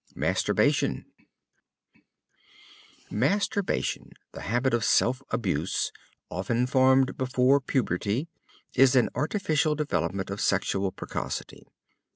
MASTURBATION Masturbation, the habit of self abuse, often formed before puberty, is an artificial development of sexual precocity.